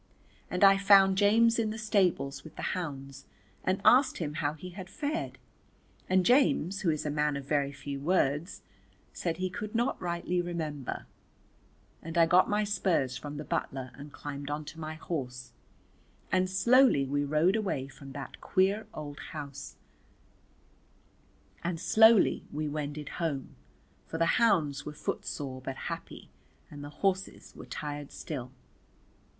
And I found James in the stables with the hounds and asked him how he had fared, and James, who is a man of very few words, said he could not rightly remember, and I got my spurs from the butler and climbed on to my horse and slowly we rode away from that queer old house, and slowly we wended home, for the hounds were footsore but happy and the horses were tired still.